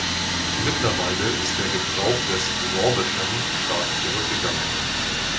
Mittlerweile ist der Gebrauch des Sorbischen stark zurückgegangen.